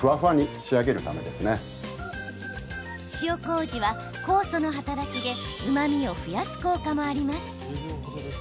塩こうじは酵素の働きでうまみを増やす効果もあります。